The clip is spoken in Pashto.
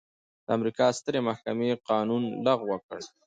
د امریکا سترې محکمې قانون لغوه کړ.